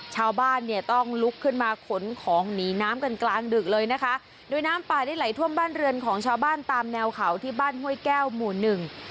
ชาวบ้านเนี่ยต้องลุกขึ้นมาขนของหนีน้ำกันกลางดึกเลยนะคะโดยน้ำป่าได้ไหลท่วมบ้านเรือนของชาวบ้านตามแนวเขาที่บ้านห้วยแก้วหมู่หนึ่ง